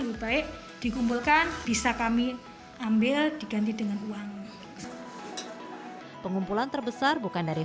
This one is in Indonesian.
lebih baik dikumpulkan bisa kami ambil diganti dengan uang pengumpulan terbesar bukan dari